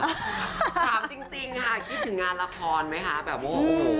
ถามจริงค่ะคิดถึงงานละครไหมคะแบบว่าโอ้โห